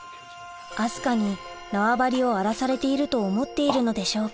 明日香に縄張を荒らされていると思っているのでしょうか？